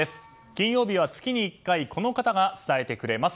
金曜日は月に１回この方が伝えてくれます。